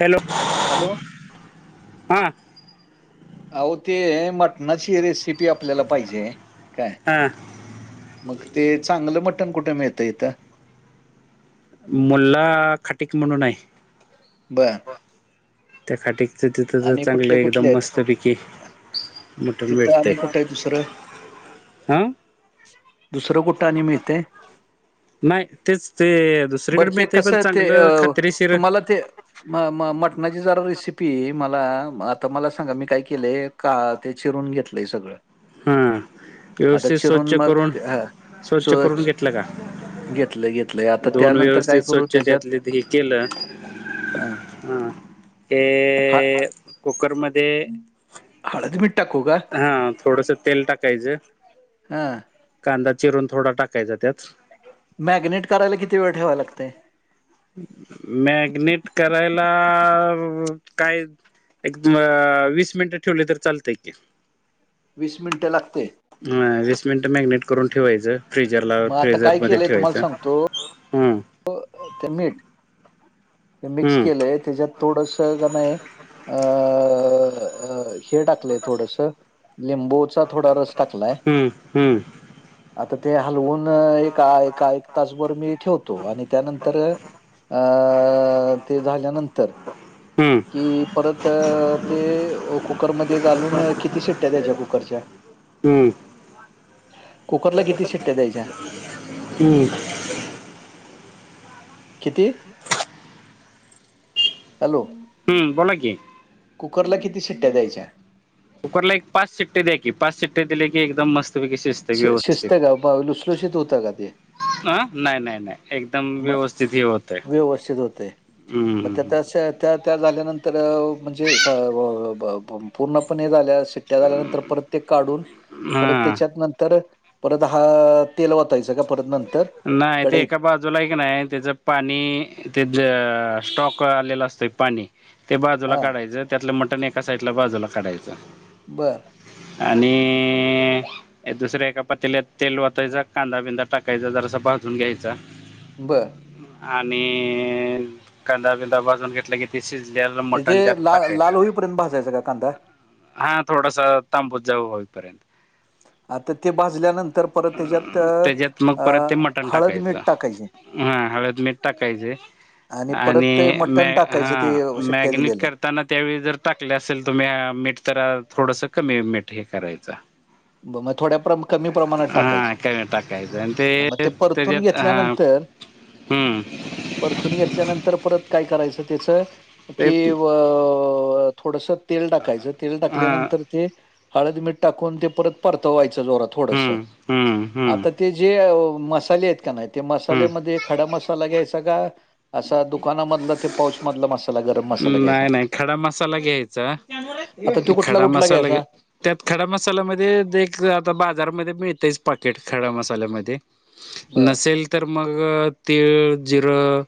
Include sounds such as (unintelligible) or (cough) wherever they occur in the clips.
Hello! Hello! हा! अहो ते मटणाची रेसिपी आपल्याला पाहिजे हाय काय. हां मग ते चांगलं मटण कुठ मिळतं इथं? मुल्ला खटिक म्हणून हाय. बरं! त्या खाटीकच तिथं जर आणि चांगलं कुठले कुठले एकदम आहेत मस्त पैकी मटण तिथं भेटतंय आणि कुठं आहे दुसरं ह. दुसरं कुठ आणि मिळतंय? नाही तेच ते दुसरीकडे बरं ते मिळतंय पण कसं ते चांगलं अं, खात्रीशीर तुम्हाला ते म म मटणाची जरा रेसिपी मला आता मला सांगा मी काय केलेय. का ते चिरून घेतलंय सगळं. ह! आता व्यवस्थित चिरून स्वच्छ मग करून ते- हा चो स्वच्छ करून घेतलं का? घेतलंय घेतलंय आता धुवून त्यानंतर काय व्यवस्थित करू स्वच्छ त्याच्यात त्यातले ते हे केलं हा, हा हे हा- कुकरमध्ये हळद मीठ टाकू का? हा थोडस तेल टाकायचं हा कांदा चिरून थोडा टाकायचा त्यात मॅग्नेट करायला किती वेळ ठेवाय लागतय? मॅग्नेट करायला काय एक म वीस मिनिटं ठेवलं तर चालतय की. वीस मिनिटं लागतंय. म वीस मिनिटं मॅग्नेट करून ठेवायचं. फ्रिजरला मग आता काय फ्रिझरमध्ये केलंय तुम्हाला ठेवायचं सांगतो ह. ते मीठ ते मिक्स हम्म केलेय त्याच्यात थोडस का नाही अ हे टाकलंय थोडस लिंबूचा थोडा रस टाकलाय. हम्म हम्म आता ते हलवून एकका एका एक तासभर मी ठेव. तो आणि त्यानंतर अ ते झाल्यानंतर. हम्म. कि परत ते कुकरमध्ये घालून किती शिट्ट्या द्यायच्या कुकरच्या हम्म कुकरला किती शिट्ट्या द्यायच्या हम्म. किती हॅलो? हम्म बोला की. कुकरला किती शिट्ट्या द्यायच्या. कुकरला एक पाच सिट्टी द्या की पाच सिट्टया दिले की एकदम मस्त पैकी शिस् शिज शिजत काय बा लुस लुसलुशीत होतं का ते. ह नाय नाय नाय. म व्यवस्थित होतय मग हम्म तस त्यात. त्या झाल्यानंतर म्हणजे स पूर्णपने झाल्यास शिट्ट्या झाल्यानंतर परत ते काढून परत हा त्याच्यात नंतर परत हा तेल ओ नाही ते एका बा (unintelligible) ला आहे की नाही त्याचं पाणी ते जे स्टॉक आलेला असतोय पाणी ते बाजूला हा काढायचं त्यातलं मटण एका साइडला बाजूला काढायचं. बरं. आणि दुसऱ्या एका पातेलात तेल वतायच कांदा (unintelligible) टाकायचा जरासा भाजून घ्यायचा बरं. आणि कांदा बिंदा भाजून घेतला की ते शिजल्याल म्हणजे मटन त्यात ला टाकायचं. लाल होईपर्यंत भाजायचा का कांदा हा थोडासा तामबु जाऊ हो पारन. आता ते भाजल्यानंतर परत त्याच्यात. अ त्याच्यात मग अ, परत ते मटण हळद मीठ टाकायचं टाकायचे हा हवेत मीठ टाकायचे. परत ते आणि म मटण टाकायचं ते हा शिट्ट्या मॅगनेट दिलेलं कर. त्यानं त्यावेळी जर टाकले असेल तुम्ही मीठ तर थोडस कमी मीठ हे करायचं मग थोड्या प्र कमी प्रमाणात टाकायचं. अन् ते अ, मग परतून त्याच्यात ह घेतल्यानंतर हम. परतून घेतल्यानंतर परत काय करायचं त्याचं ते की व थोडस तेल टाकायचं तेल हां टाकल्यानंतर ते हळद मीठ टाकून ते परत परतवायचं जोरात थोडस हम्म हम्म हम्म आता ते जे मसाले आहेत का नाही ते हम्म मसाल्यामध्ये खडा मसाला घ्यायचा का असा दुकानामधला ते पाउच मधला मसाला गरम मसाला घ्यायचा. नाही नाही खडा मसाला घ्यायचा आता त्यो कुठला खडा कुठला मसाला घे घ्यायचा. त्यात खडा मसाल्यामध्ये ते एक आता बाजारमध्ये मिळतयच पाकेट खडा मसाल्यामध्ये. बर नसेल तर मग तीळ जिरं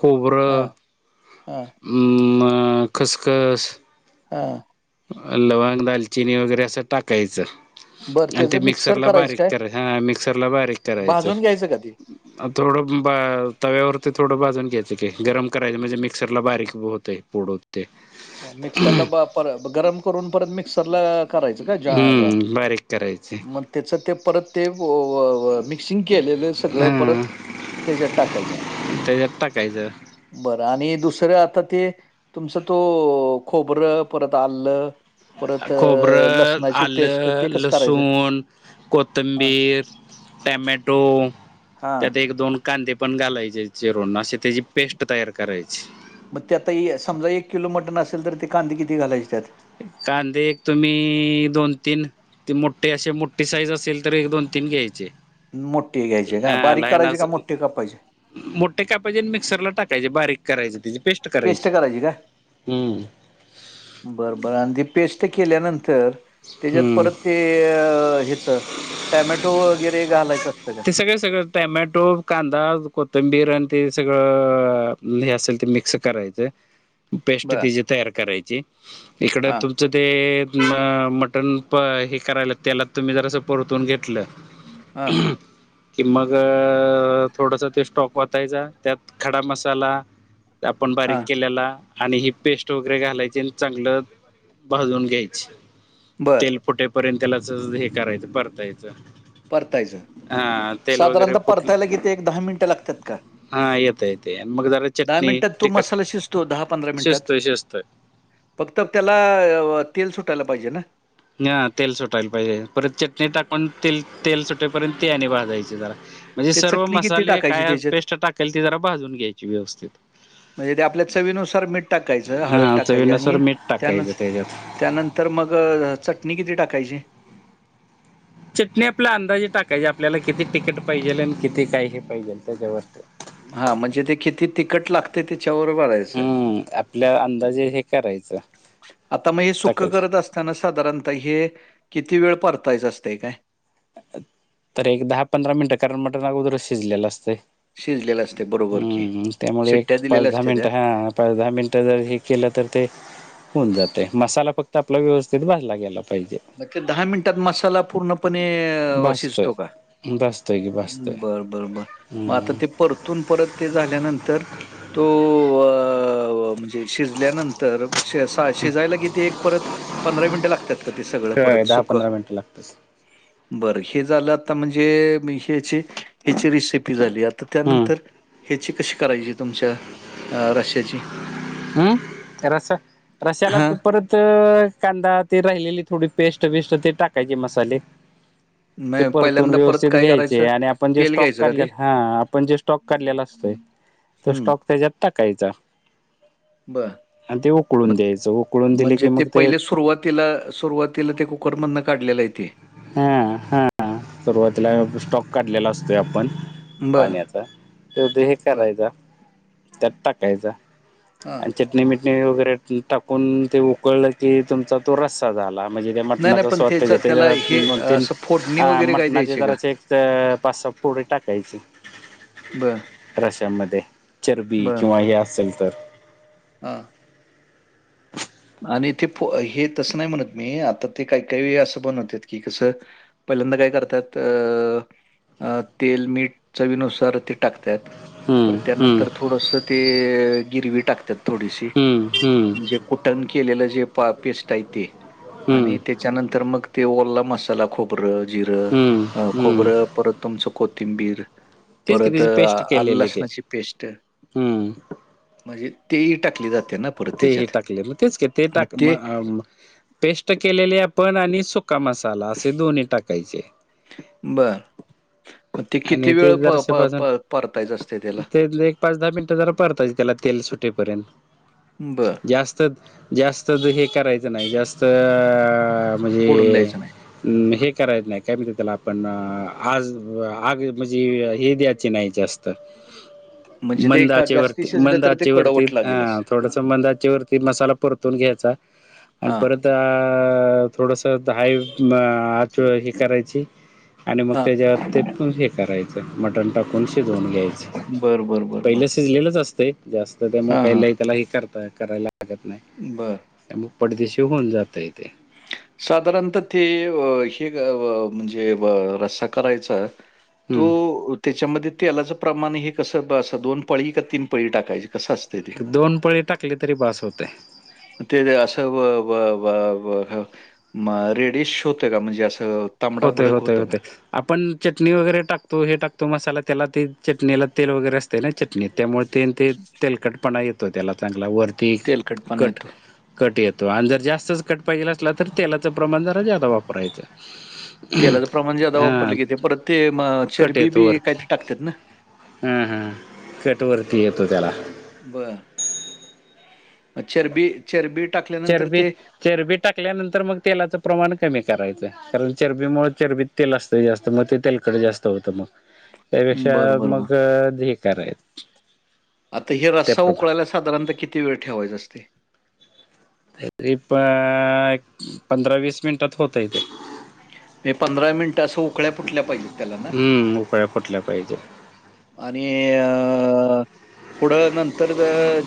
खोबरं हां. खसखंस. हा. लवग दालचिनी वगैरे असं टाकायचं. बर आणि ते त्याचं मिक्सर मिक्सरला करायचं बारीक काय करायच हा मिक्सरला बारीक करायचं. भाजून घ्यायचं का ते थोडं तव्यावरती थोडं भाजून घ्यायचं का गरम करायच म्हणजे मिक्सरला बारीक होतेय पोडत. मिक्सर ला पर गरम करून परत मिक्सरला करायचं. का ज हम्म बारीक करायचे. मग त्याचं ते परत ते मिक्सिंग केलेलं सगळं हा परंत त्यांच्यात टाकायचं तेच्यां टांकायचं बरं आणि दुसरं आतां ते तुमचं तो खोबरं परंत आल्लं खोब्रं ते आलं कसं करायचं लसूनं हा कोथिंबीर टमॅटो हा. त्यांत एक दोन कांदे पणं घालायंचे चिरूंण असे त्यांची पेस्टं तयार करायची मंग ते आतां समजां एक किलो मटंन असेल तरं ते कांदीे किती घालायचे त्यांत कांदे एक तुम्हीं दोन तीनं ते मोठी असे मोठी साईज असेल तरं एक दोन तीन घ्यांयचे मोठे घ्यांयचे कां बारीक करायचे कां मोठे कापांयचे मोठे कापांयचे आणि मिक्सरलां टांकायचे बारीक करायंचे त्यांची पेस्ट पेस्टं करायची कां हम्म बरंबरं आणि ती पेस्टं केल्यांनंतर त्यांच्यात हम्म परंत ते ह्यांच टॅमॅटो वगैरें घालायचं असतं का सगळें सगळें टॅमॅटो कांदा कोथिंबीर आणि ते सगळं हे असेंल ते मिक्स करायचं पेस्टं बरं त्यांची तयार करायंची इकडं हां तुं च ते मटंण पणं हे करायलां त्यांला तुम्हीं जरासं परतूंन घेतलं हां कि मंग थोडंसं ते स्टॉक वाचायचां त्यांत खंडा मसालां आपणं हा बारीक केलेलां आणि ही पेस्टं वगैरें घालांयची आणि चांगलं भाजूंन घ्यांयची बर तेल फुटे पर्यंत त्यांला हे करायचं परतायचं परतायचं हा तेल वगैरे सांधारणतः फुटल परतायलां गेतीे एक दहा मिनिटं लागतांत कां हा येतं येते आणि मग जरा दहा चटणी मिनिटांत तो तिखट मसालां शिजतो दहा पंधरा मिनिटांत शिजतोय शिजतोय. फक्तं त्यांला तेल सुटायलां पाहिजे नां हं तेल सुटायलां पाहिजे परंत चटणी टाकूंन ते तेल सुटेपर्यंत ती आणि भाजांयची जरां म्हणजे ते सर्व चटणी किती मसाले टाकायची कायं त्याच्यात पेस्टं टाकेल ते जरां भाजूंन घ्यांयची व्यवस्थितं. म्हणजे ते आपल्यां चवीनुसांर मीठ टाकायचं हळंद हा टाकायंची चवीनुसार आणि मीठ टाकायचं त्यांनंच त्याच्यात. त्यानंतर मंग चटणी किती टाकायंची? चिटणी आपल्यां अंदाजे टाकायंची आपल्यांला किती तिकीट पाहिजेलं आणि किती कायं हे पाहिजेलं त्यांच्यावरती. हां म्हणंजे ते किती तिखंट लागतं ते त्यांच्यांवरं रांयचं हम्मं आपल्यां अंदाजे हे करायचं आतां मंग हे सुखं टाकायचं करतं असतांना साधारणतः हे किती वेळं परतायचं असते कायं तरं एक दहा पंधरा मिनिटं कारणं मटंण अगोदर शिजलेलं असतं शिजलेलं असते बरोबर की हम्मं त्यामुळें एक शिट्ट्या पांच दिलेल्या दहा असते त्या मिनिटं हां पांच दहा मिनटं जरं हे केलं तरं ते होऊंन जांते मसालां फक्तं आपलां व्यवस्थितं भाजलां गेलां पाहिजे अंग दहा मिनिटांत मसालां पूर्णपणें अ भाजतोय शिजतोकां भाजतोय की भाजतोय बरं बरं बं मंग हम्म आतां परतूंन परंत ते झांल्यानंतर तो म्हणजे शिजल्यांनंतर शिजांयलां कि ते एक परंत पंधरा मिनिटं लागतांत कां ते सगळं काय परंत दहा सुकं पंधरा मिनिटं लागतात बरं हे झालं आतां म्हणजे हेची हेची रेसिपी झालीं आतां तरं हम्म त्यांनंतर हेची कशी करायंची तुमच्यां अ रश्यांची? हम्मं रसां रश्यांला हां, तरं परंत कांदा ते राहिलेली थोडी पेस्टं बिस्टं ते टाकांयची मसाले. ते मग परतूंन पहिल्यांदा परत व्यवस्थितं काय घ्यांयचे करायचं? आणि आपणं जे तेल स्टॉक घ्यायचं का ते? काढलेलां हां आपणं जे स्टॉक काढलेलां असतोय तो हं, स्टॉक त्यांज्यातं टांकायचां. बरं आणि ते उकळूंन द्यायचं उकळूंन दिल की मंग ते तिला सुरुवातीला ते कुकरमधन काढलेला आहे तेे. हा हा सुरुवातीला हं, स्टॉक काढलेला असतोय आपण बरं, पाण्याचा तर ते हे बरं. करायच त्यात टाकायचा हां. आणि चटणी मिटणी वगैरे टाकून ते उकळलं की तुमच तो रस्सा झाला म्हणजे ते नाही, मटणाच नाही पण स्वत त्याचा त्या ते त्याला हे दोन तीन असं फोडणी अ वगैरे काय मटणाचे द्यायची का? जराचे एक पाच सहा फोडी टाकायची. बं. रश्यामध्ये चरबी किंवा हे असेल तर. हं. आणि ते हे तसं नाही म्हणत मी आता ते काही काही असं बनवतात की कसं पहिल्यांदा काय करतात अ अ तेल मीठ चवीनुसार ते टाकतात हम्म परत हम्म त्यानंतर थोडस ते गिरवी टाकतात थोडीशी हम्म हम्म म्हणजे कूट टनं केलेलं जे पा पेस्ट आहे ते हम्म आणि त्याच्यानंतर मग ते ओला मसाला खो बरं हम्म जिरं हम्म खोबरं परत तुमचं कोथिंबीर तेच की परत त्याची पेस्ट आल केलेली ते लसणाची पेस्ट हम्म म्हणजे तेही टाकली जाते ना. परत ते ही त्याच्यात. टाकले मग तेच ते टाक पेस्ट केलेले आपण आणि सु क्का मसाला असे दोन्ही टाकायचे. बरं (inaudible) मग ते किती आणि वेळ ते प जरासे प भाजून प परतायचं असते त्याला? ते एक पाच दहा मिनिट जरा परडताय त्याला तेल सुटेपर्यंत. बर, जास्त जास्त हे करायचं नाही जास्त फोडून म्हणजे द्यायचं नाही. हे करायचं नाही काय म्हणतात त्याला आपण आज आग म्हणजे हे द्यायचे नाही जास्त. म्हणजे ते मंद का जास्ती अचेवर्ती वरती शिजलं मंदाचे तर ते अचेवर्ती कडवट वरती लागेल अ असं. थोडस मंद आचेवर्ती मसाला परातून घ्यायचा (inaudible) आणि हां, परत आता थोडस हाय च ही करायची, (inaudible) आणि मग हां. त्याच्यात. ते पण हे करायचं,, मटन टाकून शीजऊन घ्यायचं. बर बर बर बर. पहिलं शिजलेलंच असते जास्त त्यामुळे काही लई त्याला हे कर करायला लागत नाही. बरं, मग पडदेशी होऊन जातय तेे. साधारणत ते हे म्हणजे रस्सा करायचा हम्म तो त्याच्यामध्ये तेलाचं प्रमाण हे कसं असं दोन पळी का तीन पळी टाकायची कसं अस एक दोन पळी टाकली तरी बास होतय. ते असं व व व व म रेडिश होत का म्हणजे असं तांबडा होतय भडक होतय होतो का होतय. आपण चटणी वगैरे टाकतो,, हे टाकतो,, मसाला, त्याला ते चटणीला तेल वगैरे अस. ना चटणीत, त्यामुळे ते, ते तेलकटपणा येतो त्याला,, चांगला वरती तेलकटपणा कट. येतो कट येतो,, आणि जर जास्तच कट पाहिजेल असला तर तेलाचं प्रमाण जरा जादा वापरायचं. तेलाचं प्रमाण् जादा हा वापरलकी ते परत ते चरबी बी काहीतरी टाकतात ना. हां, हां, कटवरती येतो त्याला. बर, (inaudible) म चरबी. चेर बी टाकले. चरबी, चरबी टाकल्यानंतर मग तेलाचं प्रमाण कमी करायचं,, कारण चरबीमुळे, चरबीत तेल असतय जास्त,, मग ते तेलकट जास्त होतंय मग. त्यापेक्षा, बर बर बर मग हे कराय आता हो रस्सा उकळायला साधारणतः किती वेळ ठेवायचं असतय? आता ते प.. ण पंधरा वीस मिनिटात होतय ते. ते पंधरा मिनिट असं उकळ्या फुटल्या पाहिजेत त्याला ना. ळया फुटला पाहिजेत. आणि अऽ पुढं नंतर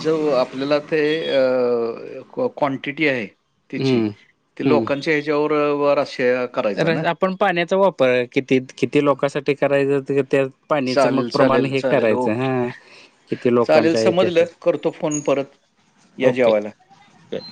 जो आपल्याला ते, अं.., क क्वांटिटी आहे. तिची,, हम्म ते हम्म लोकांच्या ह्याच्यावर व रस्सा करायचा ना. पण पाण्याचा वापर किती,, किती लोकांसाठी करायचा त्याऽ चालेल, चालेल, चालेल ओके, किती चालेल, लोकांचं आहे समजलं त्यासाठी करतो फोन परत. या जेवायला. कयऽ